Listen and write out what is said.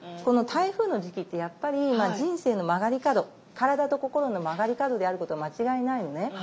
この台風の時期ってやっぱり人生の曲がり角体と心の曲がり角であることは間違いないのね。